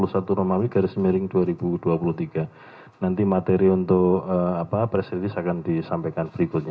saya kira demikian konferensi pers yang disampaikan kpu